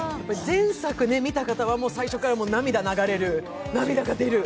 前作を見た方は最初から涙が出る。